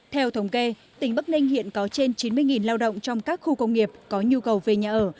theo thống kê tỉnh bắc ninh hiện có trên chín mươi lao động trong các khu công nghiệp có nhu cầu về nhà ở